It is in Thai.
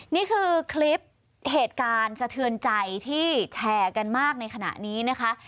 นี่คือคลิปเหตุการณ์สะเทือนใจที่แชร์กันมากในขณะนี้นะคะ